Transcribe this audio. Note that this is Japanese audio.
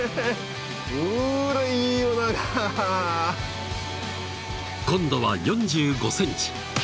ほらいいオナガ今度は４５ｃｍ